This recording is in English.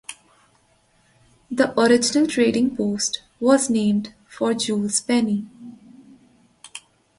The original trading post was named for Jules Beni.